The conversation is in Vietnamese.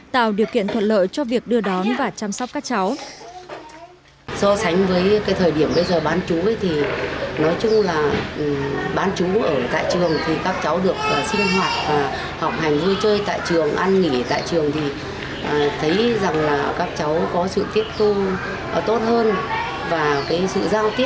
tạo điều kiện thuận lợi cho việc đưa đón và chăm sóc các cháu